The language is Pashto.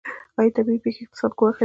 آیا طبیعي پیښې اقتصاد ګواښي؟